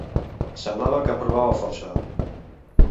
Semblava que em provava força